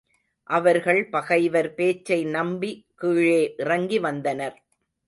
அவர்கள் பகைவர் பேச்சை நம்பி கீழே இறங்கி வந்தனர்.